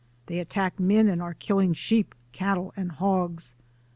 ... They attack men and are killing sheep, cattle, and hogs.